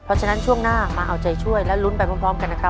เพราะฉะนั้นช่วงหน้ามาเอาใจช่วยและลุ้นไปพร้อมกันนะครับ